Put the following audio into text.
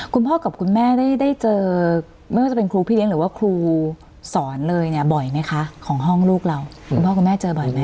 คุณพ่อกับคุณแม่ได้เจอไม่ว่าจะเป็นครูพี่เลี้ยงหรือว่าครูสอนเลยเนี่ยบ่อยไหมคะของห้องลูกเราคุณพ่อคุณแม่เจอบ่อยไหม